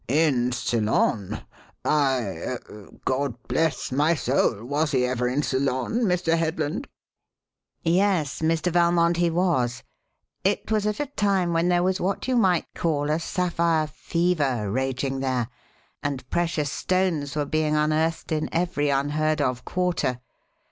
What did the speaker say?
"In Ceylon! I er God bless my soul, was he ever in Ceylon, Mr. Headland?" "Yes, Mr. Valmond, he was. It was at a time when there was what you might call a sapphire fever raging there, and precious stones were being unearthed in every unheard of quarter.